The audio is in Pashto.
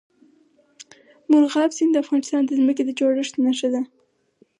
مورغاب سیند د افغانستان د ځمکې د جوړښت نښه ده.